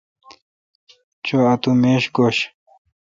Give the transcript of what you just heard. چو اتو میش گوش۔